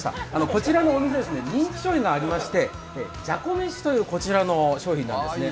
こちらのお店、人気商品がありまして、じゃこ飯というこちらの商品なんですね。